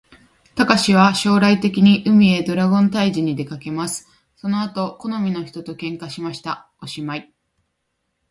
たかしは将来的に、海へドラゴン退治にでかけます。その後好みの人と喧嘩しました。おしまい